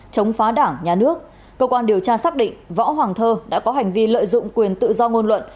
chống phá đảng nhà nước cơ quan điều tra xác định võ hoàng thơ đã có hành vi lợi dụng quyền tự do ngôn luận